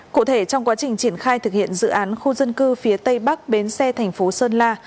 cụ thể trong quá trình triển khai thực hiện dự án khu dân cư phía tây bắc bến xe thành phố sơn la